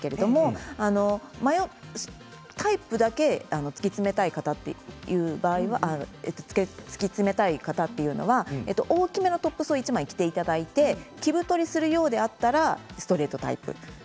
タイプだけ突き詰めたい方という場合は大きめのトップスを１枚着ていただいて着太りするようだったらストレートタイプ。